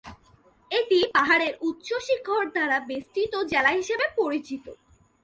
এটি পাহাড়ের উচ্চ শিখর দ্বারা বেষ্টিত জেলা হিসেবে পরিচিত।